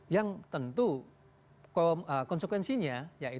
yang tentu konsekuensinya